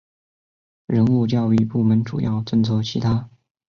人物教育部门主要政策其他